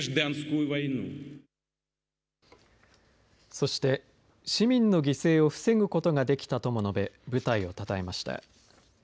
そして市民の犠牲を防ぐことができたとも述べ部隊をたたえました。